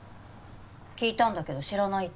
聞いたんだけど知らないって。